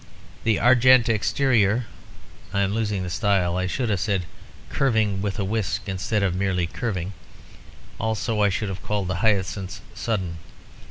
The argent exterior ... (I am losing the style. I should have said 'Curving with a whisk' instead of merely 'Curving.' Also I should have called the hyacinths 'sudden.'